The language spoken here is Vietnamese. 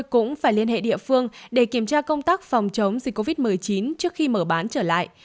cũng phải liên hệ địa phương để kiểm tra công tác phòng chống dịch covid một mươi chín trước khi mở bán trở lại